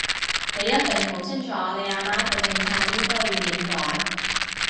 你一定好清楚你阿媽嘅政策應該要點改